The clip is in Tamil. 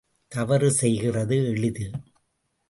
தவறு செய்கிறது எளிது.